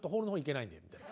みたいな。